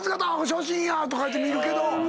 写真やとかいって見るけど。